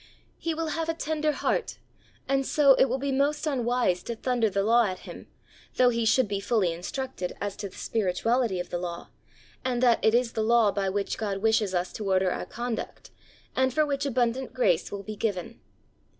He will have a tender heart, and so it will be most unwise to thunder the law at him, though he should be fully instructed as to the spirituality of the law, and that it is the law by which God wishes us to order our conduct, and for which abundant grace will be given.